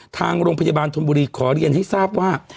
ทางโรงพยาบาลธนบุรีขอเรียนให้ทราบว่า